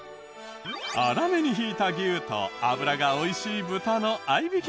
粗めに挽いた牛と脂が美味しい豚の合い挽き